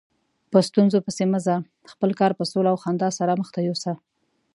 په ستونزو پسې مه ځه، خپل کار په سوله او خندا سره مخته یوسه.